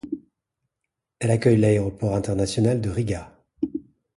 Elle accueille l'Aéroport international de Riga.